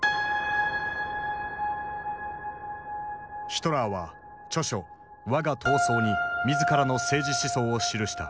ヒトラーは著書「わが闘争」に自らの政治思想を記した。